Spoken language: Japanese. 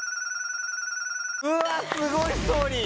うわっすごいストーリー！